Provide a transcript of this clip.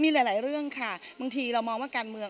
มีหลายเรื่องค่ะบางทีเรามองว่าการเมือง